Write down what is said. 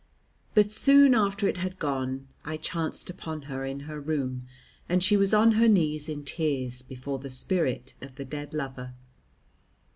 But soon after it had gone, I chanced upon her in her room, and she was on her knees in tears before the spirit of the dead lover.